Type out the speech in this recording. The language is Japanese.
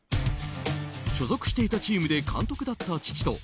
所属していたチームで監督だった父と